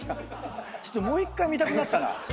ちょっともう１回見たくなった。